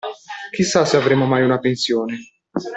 Chissà se avremo mai una pensione.